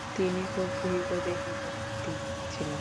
তিনি খুব দীর্ঘদেহী ব্যক্তি ছিলেন।